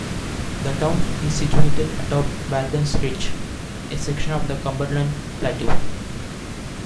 The town is situated atop Walden's Ridge, a section of the Cumberland Plateau.